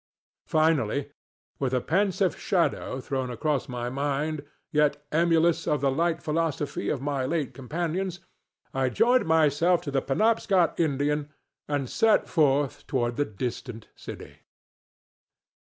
Finally, with a pensive shadow thrown across my mind, yet emulous of the light philosophy of my late companions, I joined myself to the Penobscot Indian and set forth toward the distant city.